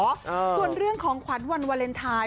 ส่วนเรื่องของขวัญวันวาเลนไทย